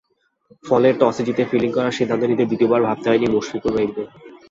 ফলে টসে জিতে ফিল্ডিং করার সিদ্ধান্ত নিতে দ্বিতীয়বার ভাবতে হয়নি মুশফিকুর রহিমকে।